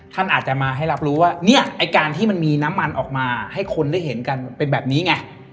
ท่านอาจจะมาให้รับรู้ว่าเนี่ยไอ้การที่มันมีน้ำมันออกมาให้คนได้เห็นกันเป็นแบบนี้ไง